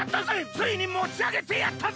ついにもちあげてやったぜ！